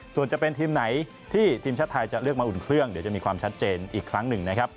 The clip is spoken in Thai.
ส่วนจะเป็นทีมไหนที่ทีมชาติไทยจะเลือกมาอุ่นเครื่องเดี๋ยวจะมีความชัดเจนอีกครั้งหนึ่งนะครับ